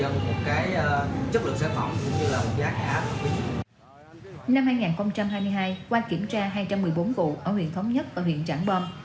năm hai nghìn hai mươi hai qua kiểm tra hai trăm một mươi bốn vụ ở huyện thống nhất ở huyện trảng bom